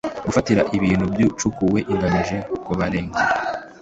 gufatira ibintu byacukuwe igamije kubarengera